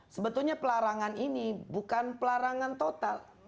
sebetulnya pelarangan ini bukan pelarangan total